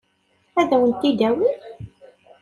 Ad wen-t-id-awin?